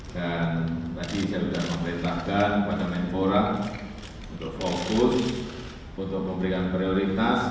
dan nanti saya sudah memberitakan pada member orang untuk fokus untuk memberikan prioritas